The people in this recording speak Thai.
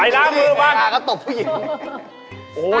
ใส่ล้างมือมั้งก็ตบผู้หญิง